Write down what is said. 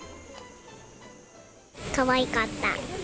かわいかった。